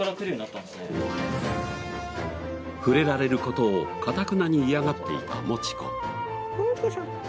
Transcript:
触れられる事をかたくなに嫌がっていたもち子。